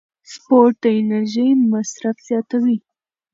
سپورت د انرژۍ مصرف زیاتوي.